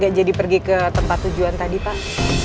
gak jadi pergi ke tempat tujuan tadi pak